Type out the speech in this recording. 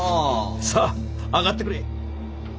さあ上がってくれ。